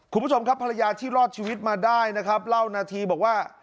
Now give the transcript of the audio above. คุณผู้ชมครับภรรยาที่รอดชีวิตมาได้นะครับเล่านาทีบอกว่า